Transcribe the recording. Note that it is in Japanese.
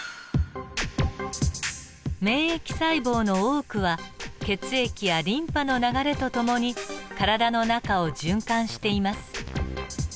免疫細胞の多くは血液やリンパの流れと共に体の中を循環しています。